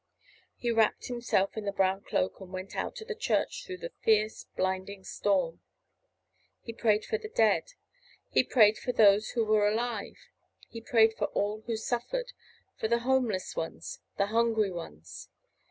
He wrapped himself in the brown cloak and went out to the church through the fierce blinding storm. He prayed for the dead. He prayed for those who were alive. He prayed for all who suffered, for the homeless ones, the hungry ones.